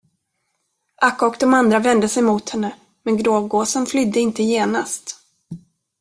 Akka och de andra vände sig mot henne, men grågåsen flydde inte genast.